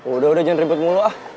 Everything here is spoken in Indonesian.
udah udah jangan ribut mulu ah